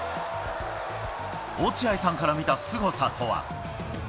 落合さんから見たすごさとは。